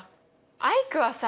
アイクはさ